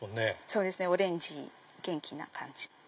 そうですねオレンジ元気な感じ。